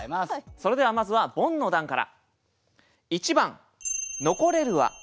それではまずはボンの段から。